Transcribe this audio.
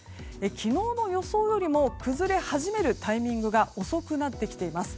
昨日の予想よりも崩れ始めるタイミングが遅くなってきています。